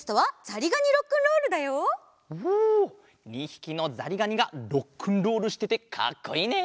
２ひきのざりがにがロックンロールしててかっこいいね！